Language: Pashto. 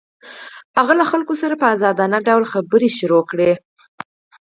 هغه له خلکو سره په ازادانه ډول خبرې پيل کړې.